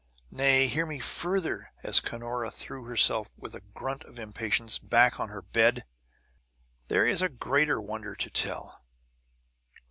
"Nay, hear me further," as Cunora threw herself, with a grunt of impatience, back on her bed; "there is a greater wonder to tell.